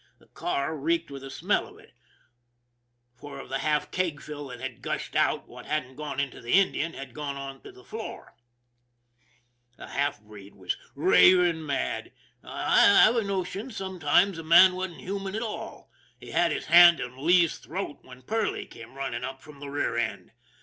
The car reeked with the THE MAN WHO DIDN'T COUNT 243 smell of it, for of the half kegful that had gushed out what hadn't gone into the Indian had gone on to the floor. The half breed was raving mad. I've a notion some times the man wasn't human at all. He had his hand on Lee's throat when Perley came running up from the rear end.